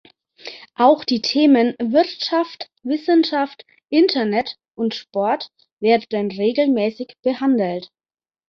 Auch die Themen Wirtschaft, Wissenschaft, Internet und Sport werden regelmäßig behandelt.